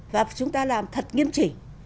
và chúng ta làm thật nghiêm chỉnh